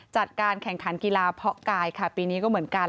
จัดการแข่งขันกีฬาเพาะกายค่ะปีนี้ก็เหมือนกัน